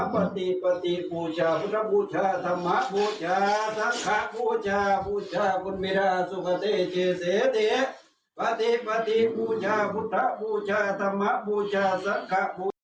พุทพุทธพุชาสัมมาพุชาสังคาพุชา